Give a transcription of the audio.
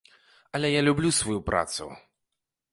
Але я люблю сваю працу.